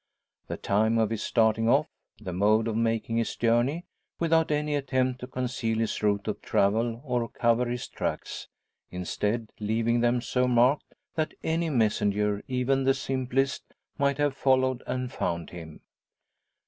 The time of his starting off, the mode of making his journey, without any attempt to conceal his route of travel or cover his tracks instead, leaving them so marked that any messenger, even the simplest, might have followed and found him.